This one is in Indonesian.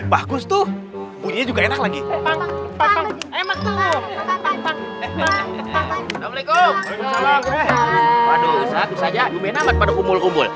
waduh ustaz lu saja lumayan amat pada kumpul kumpul